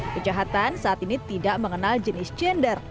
kejahatan saat ini tidak mengenal jenis gender